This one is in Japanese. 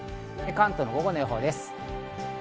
関東の午後の予報です。